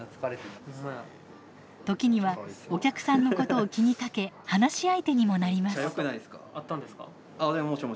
時にはお客さんのことを気にかけ話し相手にもなります。